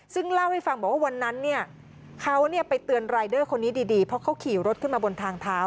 ซึ่งเล่าให้ฟังบอกว่าวันนั้นเนี่ยเขาไปเตือนรายเดอร์คนนี้ดีเพราะเขาขี่รถขึ้นมาบนทางเท้า